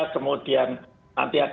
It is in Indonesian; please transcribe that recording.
kemudian nanti ada